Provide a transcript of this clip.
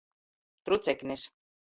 Truceknis.